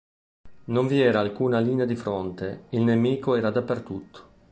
Non vi era alcuna linea di fronte; il nemico era dappertutto.